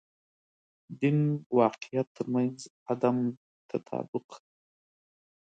دین واقعیت تر منځ عدم تطابق.